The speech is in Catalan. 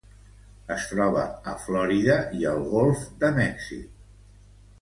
Es troba a Florida i el Golf de Mèxic.